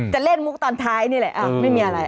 จะเล่นมุกตอนท้ายนี่แหละไม่มีอะไร